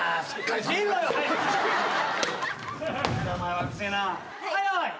はい。